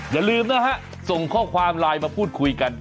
อย่าลืมนะฮะส่งข้อความไลน์มาพูดคุยกัน